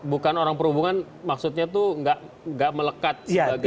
bukan orang perhubungan maksudnya itu nggak melekat sebagai